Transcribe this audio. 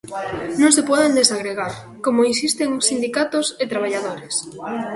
Non se poden desagregar, como insisten sindicatos e traballadores.